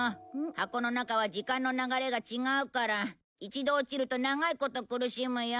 箱の中は時間の流れが違うから一度落ちると長いこと苦しむよ。